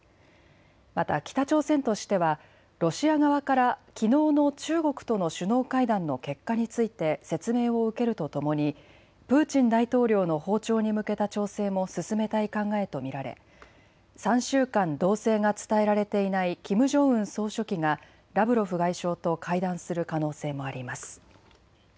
また北朝鮮としてはロシア側からきのうの中国との首脳会談の結果について説明を受けるとともにプーチン大統領の訪朝に向けた調整も進めたい考えと見られ３週間動静が伝えられていないキム・ジョンウン総書記がラブロフ外相と会談する可能性もあります。